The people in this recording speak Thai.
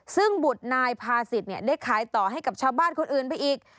ซึ่งบุตรนายพาศิษย์ได้ขายต่อให้กับชาวบ้านคนอื่นไปอีก